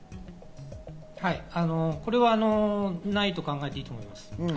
はい、これはないと考えていいと思います。